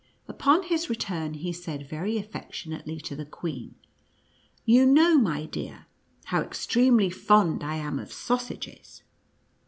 Upon his return, he said very affec tionately to the queen, "You know, my dear, how extremely fond I am of sausages."